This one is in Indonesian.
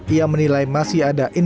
ia menilai masih ada